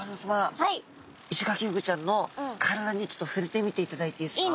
イシガキフグちゃんの体にちょっとふれてみていただいていいですか？